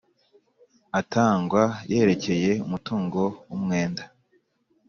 Atangwa yerekeye mutungo umwenda